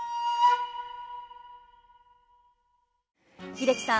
英樹さん